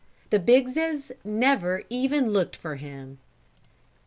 The Biggses never even looked for him.